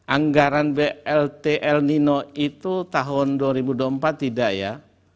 anggaran blt el nino itu tahun dua ribu dua puluh empat tidak ya